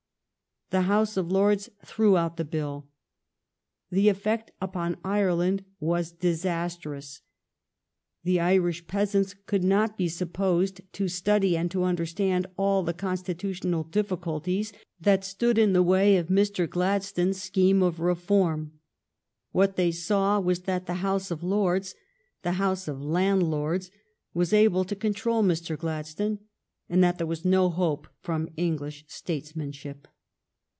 The House of Lords threw out the bill. The effect upon Ireland was disastrous. The Irish peasants could not be sup posed to study and to understand all the con stitutional difficulties that stood in the way of Mr. Gladstone's scheme of reform. What they saw was that the House of Lords — the House of landlords — was able to control Mr. Gladstone, and that there was no hope from English states manship.